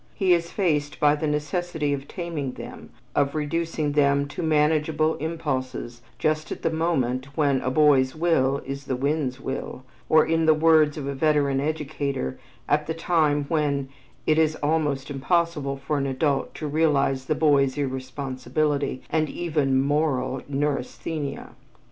He is faced by the necessity of taming them, of reducing them to manageable impulses just at the moment when "a boy's will is the wind's will," or, in the words of a veteran educator, at the time when "it is almost impossible for an adult to realize the boy's irresponsibility and even moral neurasthenia."